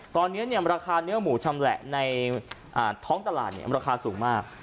ตอนเนี้ยเนี้ยมราคาเนื้อหมูชำแหละในอ่าท้องตลาดเนี้ยมราคาสูงมาก